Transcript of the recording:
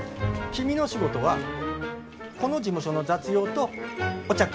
君の仕事はこの事務所の雑用とお茶くみ。